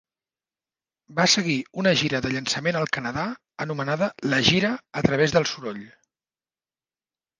Va seguir una gira de llançament al Canadà anomenada la Gira a través del soroll.